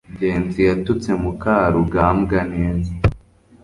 ngenzi yatutse mukarugambwa neza